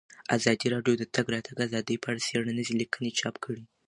ازادي راډیو د د تګ راتګ ازادي په اړه څېړنیزې لیکنې چاپ کړي.